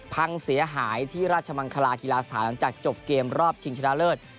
พังเสียหายที่ราชมังคลากีฬาสถานหลังจากจบเกมรอบชิงชนะเลิศ